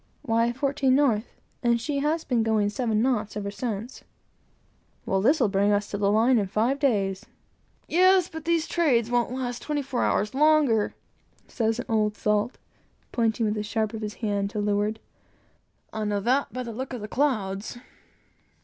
"Why fourteen, north, and she has been going seven knots ever since." "Well, this will bring us up to the line in five days." "Yes, but these trades won't last twenty four hours longer," says an old salt, pointing with the sharp of his hand to leeward, "I know that by the look of the clouds."